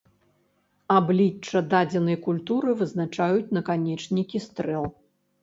Аблічча дадзенай культуры вызначаюць наканечнікі стрэл.